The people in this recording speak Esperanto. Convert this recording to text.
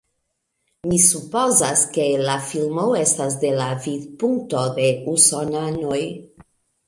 Mi supozas, ke la filmo estas de la vidpunkto de usonanoj